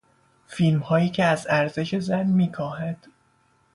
فیلمهایی که از ارزش زن میکاهد.